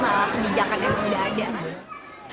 ini adalah kebijakan yang sudah ada